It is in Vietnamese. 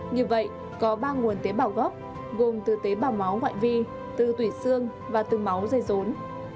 như vậy có ba nguồn tế bảo gốc gồm từ tế bảo máu ngoại vi từ tủy xương và từ máu giấy rốn